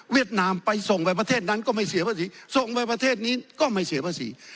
นามไปส่งไปประเทศนั้นก็ไม่เสียภาษีส่งไปประเทศนี้ก็ไม่เสียภาษี